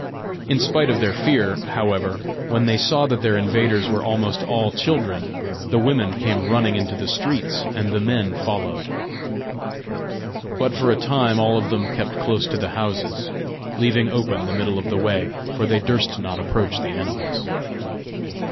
In spite of their fear, however, when they saw that their invaders were almost all children, the women came running into the streets, and the men followed. But for a time all of them kept close to the houses, leaving open the middle of the way, for they durst not approach the animals.